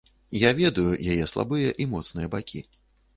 Я ведаю яе слабыя і моцныя бакі.